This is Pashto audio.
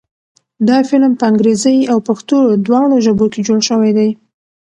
دا فلم په انګريزۍ او پښتو دواړو ژبو کښې جوړ شوے دے